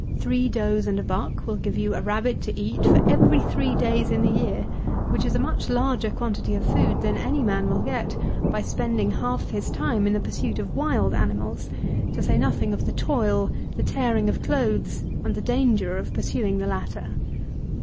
Three does and a buck will give you a rabbit to eat for every three days in the year, which is a much larger quantity of food than any man will get by spending half his time in the pursuit of wild animals, to say nothing of the toil, the tearing of clothes, and the danger of pursuing the latter.